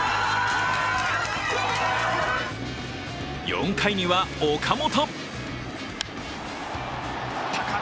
４回には岡本。